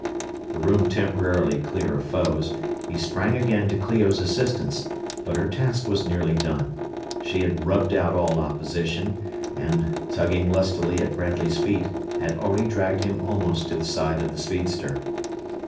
The room temporarily clear of foes, he sprang again to Clio's assistance, but her task was nearly done. She had "rubbed out" all opposition and, tugging lustily at Bradley's feet, had already dragged him almost to the side of the speedster.